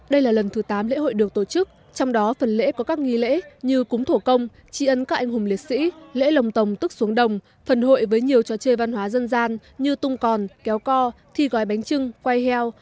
đây là lần thứ tám lễ hội được tổ chức trong đó phần lễ có các nghi lễ như cúng thổ công tri ân các anh hùng liệt sĩ lễ lồng tồng tức xuống đồng phần hội với nhiều trò chơi văn hóa dân gian như tung còn kéo co thi gói bánh trưng quay heo